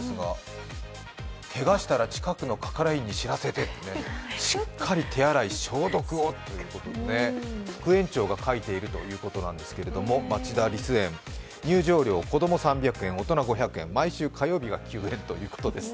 ケガしたら近くの係員にしらせて、しっかり手洗い消毒をということで、副園長が描いているということなんですが町田リス園、入場料子供３００円、大人５００円、毎週火曜日が休園ということです。